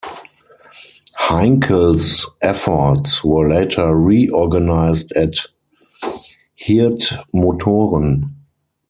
Heinkel's efforts were later re-organized at Hirth Motoren.